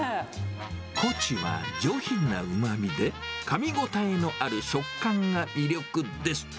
コチは上品なうまみで、かみ応えのある食感が魅力です。